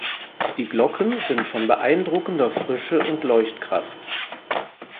Die Glocken sind von beeindruckender Frische und Leuchtkraft.